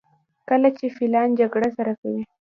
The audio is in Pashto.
کله چې فیلان جګړه سره کوي.